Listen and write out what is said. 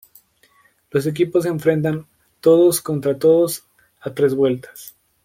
Los equipos se enfrentan todos contra todos a tres vueltas.